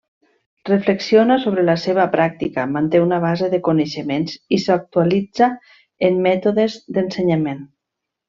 Reflexiona sobre la seva pràctica, manté una base de coneixements i s'actualitza en mètodes d'ensenyament.